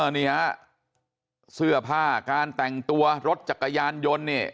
นี่ฮะเสื้อผ้าการแต่งตัวรถจักรยานยนต์เนี่ย